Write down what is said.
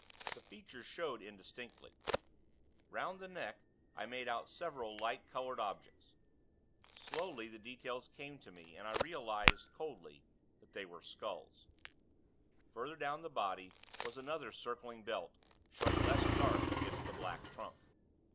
The features showed indistinctly, 'round the neck, I made out several light colored objects. Slowly, the details came to me, and I realized, coldly, that they were skulls. Further down the body was another circling belt, showing less dark against the black trunk.